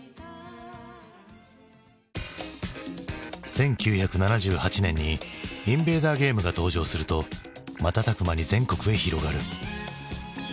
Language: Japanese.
１９７８年にインベーダー・ゲームが登場すると瞬く間に全国へ広がる。